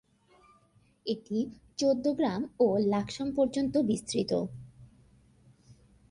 এটি চৌদ্দগ্রাম ও লাকসাম পর্যন্ত বিস্তৃত।